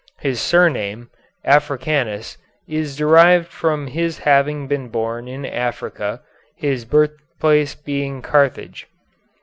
His surname, Africanus, is derived from his having been born in Africa, his birthplace being Carthage.